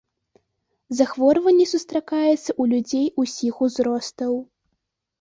Захворванне сустракаецца ў людзей усіх узростаў.